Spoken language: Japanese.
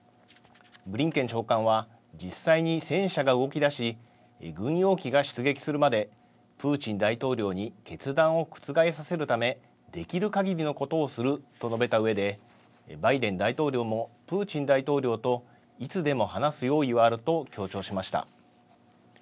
ブリンケン長官は、実際に戦車が動きだし、軍用機が出撃するまで、プーチン大統領に決断を覆させるため、できるかぎりのことをすると述べたうえで、バイデン大統領もプーチン大統領といつでも話す用意はあると強調しました。